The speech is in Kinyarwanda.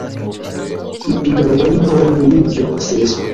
ipiganwa n impamvu y iryo seswa